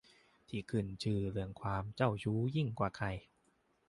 ที่ขึ้นชื่อเรื่องความเจ้าชู้ยิ่งกว่าใคร